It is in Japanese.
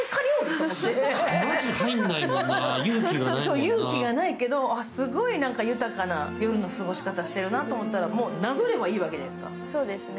勇気がないけど、すごい豊かな夜の姿しているなと思ったら、もうなぞればいいわけですから。